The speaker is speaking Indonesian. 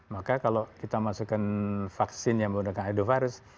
maka kalau kita masukkan vaksin yang menggunakan edovirus